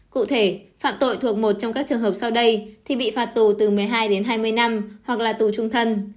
cụ thể phạm tội thuộc một trong các trường hợp sau đây thì bị phạt tù từ một mươi hai đến hai mươi năm hoặc là tù trung thân